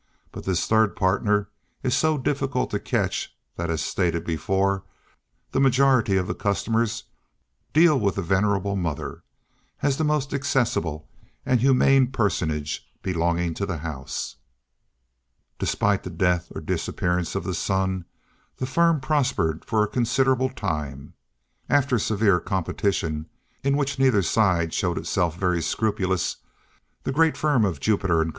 But this third partner is so difficult to catch, that, as stated before, the majority of the customers deal with the venerable mother, as the most accessible and humane personage belonging to the house. Despite the death or disappearance of the Son, the firm prospered for a considerable time. After severe competition, in which neither side showed itself very scrupulous, the great firm of Jupiter and Co.